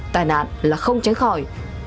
tai nạn là không tránh khỏi